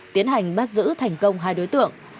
tiến hành bắt giữ thành công hai đối tượng